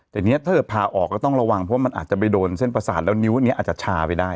แต่เนี่ยถ้าเกิดพาออกก็ต้องระวังเพราะมันอาจจะไปโดนเส้นประสาทแล้วนิ้วนี้อาจจะชาไปได้